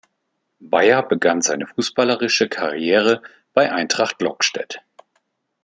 Beier begann seine fußballerische Karriere bei "Eintracht Lokstedt".